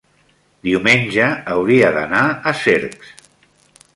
diumenge hauria d'anar a Cercs.